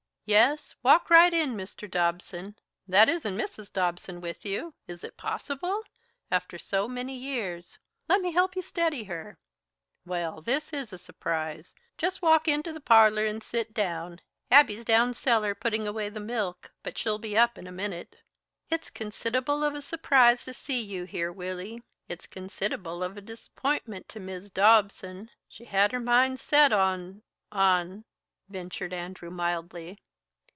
"Yes, walk right in, Mr. Dobson. That isn't Mrs. Dobson with you is it possible! after so many years. Let me help you steady her. Well, this is a surprise! Just walk into the parlor and sit down. Abby's down cellar putting away the milk, but she'll be up in a minute." "It's consid'able of a surprise to see you here, Willy; it's consid'able of a disapp'intment to Mis' Dobson. She had set her mind on on " ventured Andrew mildly.